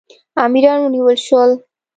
امیران ونیول شول.